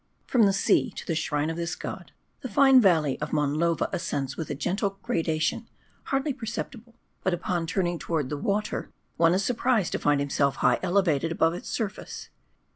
From the sea to the shrine of this god, the fine valley of Monlova ascends with a gentle gradation, hardly perceptible ; but upon turning round ' toward the water, one is surprised to find himself high elevated above its surface.